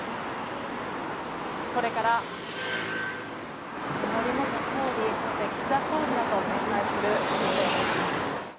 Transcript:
これから森元総理そして岸田総理らと面会する予定です。